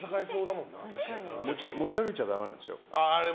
持ち歩いちゃダメなんですよ。